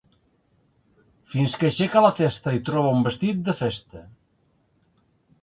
Fins que aixeca la testa i troba un vestit de festa.